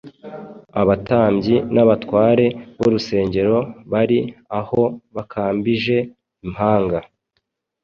Abatambyi n’abatware b’urusengero bari aho bakambije impanga,